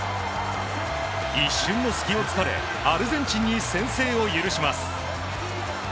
一瞬の隙を突かれアルゼンチンに先制を許します。